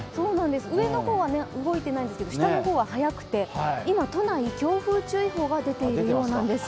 上の方は動いていないんですけど、下の方は早くて今、都内、強風注意報が出ているんです。